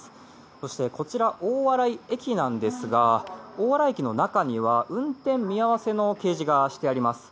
そして、こちら大洗駅ですが大洗駅の中には運転見合わせの掲示がしてあります。